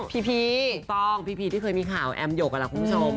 พีพีต้องพีพีที่เคยมีข่าวแอมโยกกับหลังคุณผู้ชม